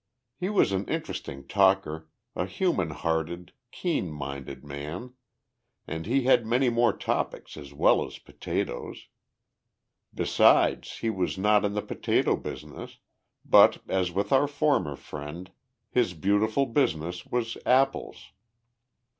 He was an interesting talker, a human hearted, keen minded man, and he had many more topics as well as potatoes. Besides, he was not in the potato business, but, as with our former friend, his beautiful business was apples.